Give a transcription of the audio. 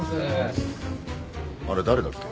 あれ誰だっけ？